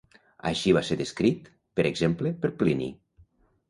Així va ser descrit, per exemple, per Plini.